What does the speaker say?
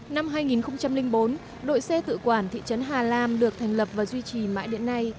năm hai nghìn bốn đội xe tự quản thị trấn hà lam được thành lập và duy trì mãi đến nay